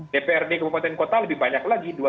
dpr di kepupaten kota lebih banyak lagi